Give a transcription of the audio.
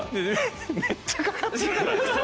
めっちゃかかってるからね！